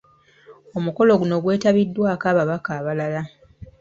Omukolo guno gwetabiddwako ababaka abalala.